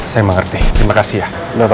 saya mengerti terima kasih ya